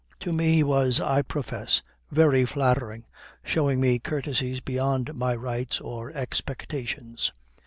To me he was, I profess, very flattering, showing me courtesies beyond my rights or expectations.